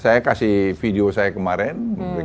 saya kasih video saya kemarin